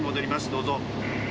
どうぞ。